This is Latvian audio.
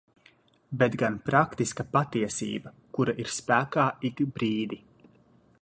Bet gan praktiska patiesība, kura ir spēkā ik brīdi.